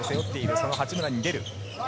その八村に出る。